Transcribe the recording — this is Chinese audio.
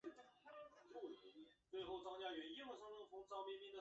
卒于任内。